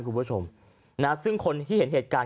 คุณผู้ชมนะซึ่งคนที่เห็นเหตุการณ์